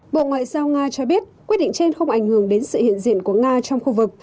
bộ ngoại giao nga cho biết quyết định trên không ảnh hưởng đến sự hiện diện của nga trong khu vực